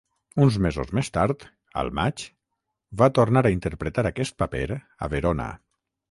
Uns mesos més tard, al maig, va tornar a interpretar aquest paper a Verona.